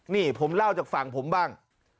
นี่ผมเล่าจากฝั่งผมบ้าง